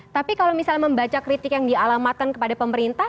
tapi kalau misalnya membaca kritik yang dialamatkan kepada pemerintah